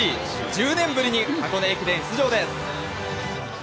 １０年ぶりに箱根駅伝出場です。